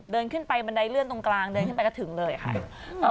เดินขึ้นไปบันไดเลื่อนตรงกลางเดินขึ้นไปก็ถึงเลยค่ะ